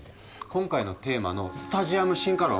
今回のテーマのスタジアム進化論